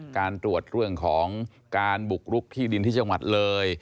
การตรวจเรื่องของการบุกรุกที่ดินที่จังหวัดเลย